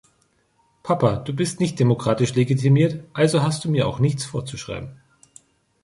Papa, du bist nicht demokratisch legitimiert, also hast du mir auch nichts zu vorzuschreiben.